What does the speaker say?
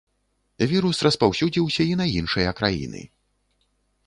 Вірус распаўсюдзіўся і на іншыя краіны.